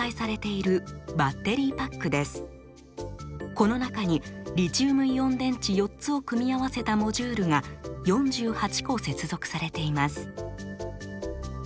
この中にリチウムイオン電池４つを組み合わせたモジュールが４８個接続されています。